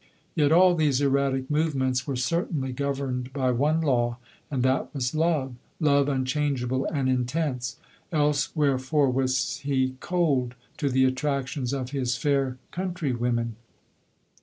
Yet all these erratic movements were certainly governed by one law, and that was love; — love unchangeable and intense, else where fore was he cold to the attractions of his fair countrywomen